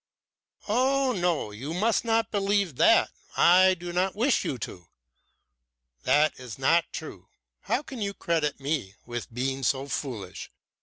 "Oh no, you must not believe that I do not wish you to. That is not true. How can you credit me with being so foolish?